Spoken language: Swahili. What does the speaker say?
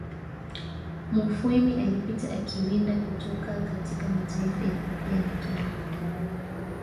Mufwimi alipita akiwinda kutoka katika mataifa Ethiopia na Kenya